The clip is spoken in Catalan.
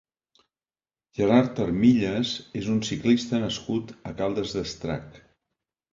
Gerard Armillas és un ciclista nascut a Caldes d'Estrac.